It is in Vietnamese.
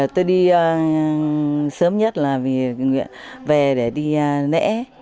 tôi đi sớm nhất là vì về để đi lễ